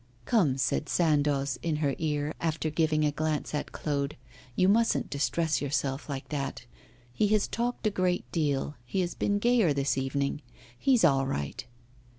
'Come,' said Sandoz in her ear, after giving a glance at Claude, 'you mustn't distress yourself like that. He has talked a great deal, he has been gayer this evening. He's all right.